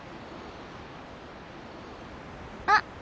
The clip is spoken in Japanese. あっ。